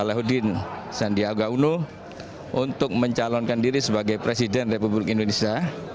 salahuddin sandiaga uno untuk mencalonkan diri sebagai presiden republik indonesia